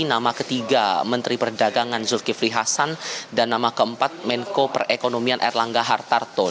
nama ketiga menteri perdagangan zulkifli hasan dan nama keempat menko perekonomian erlangga hartarto